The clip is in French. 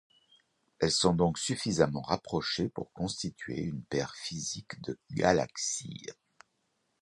Elles sont donc suffisamment rapprochées pour constituer une paire physique de galaxies.